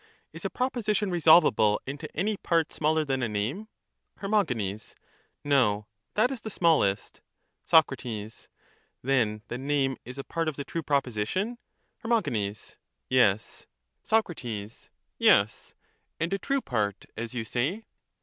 Is a proposition resolvable into any part smaller than a name? Her. No ; that is the smallest. Soc. Then the name is a part of the true proposition? Her. Yes. Soc. Yes, and a true part, as you say.